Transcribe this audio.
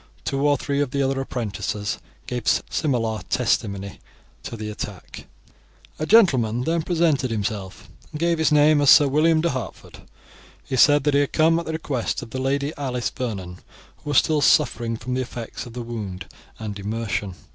Two or three of the other apprentices gave similar testimony as to the attack. A gentleman then presented himself, and gave his name as Sir William de Hertford. He said that he had come at the request of the Lady Alice Vernon, who was still suffering from the effects of the wound and immersion.